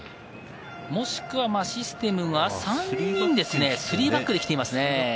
もしくはシステムが３人ですね、３バックで来ています。